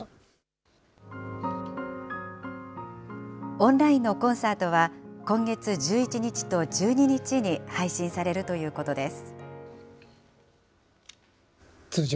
オンラインのコンサートは、今月１１日と１２日に配信されるということです。